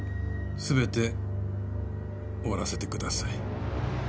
全て終わらせてください。